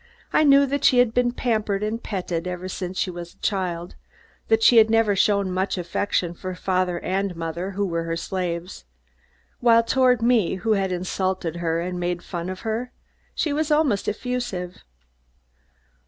I knew that she had been pampered and petted ever since she was a child; that she had never shown much affection for father and mother, who were her slaves, while toward me, who had insulted and made fun of her, she was almost effusive.